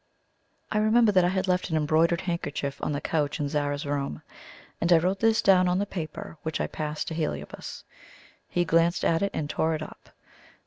I remembered that I had left an embroidered handkerchief on the couch in Zara's room, and I wrote this down on the paper, which I passed to Heliobas. He glanced at it and tore it up.